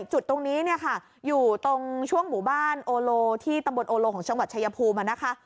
จุดตรงนี้เนี่ยค่ะอยู่ตรงช่วงหมู่บ้านโอโลที่ตำบลโอโลของจังหวัดชายภูมินะคะ